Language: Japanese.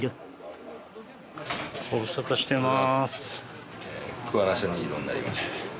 ご無沙汰してます。